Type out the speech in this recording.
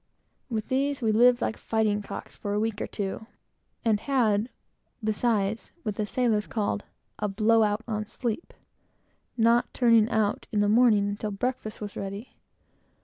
With these we lived like fighting cocks for a week or two, and had, besides, what the sailors call "a blow out on sleep;" not turning out in the morning until breakfast was ready.